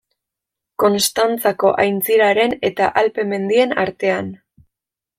Konstantzako aintziraren eta Alpe mendien artean.